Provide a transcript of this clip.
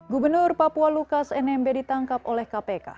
gubernur papua lukas nmb ditangkap oleh kpk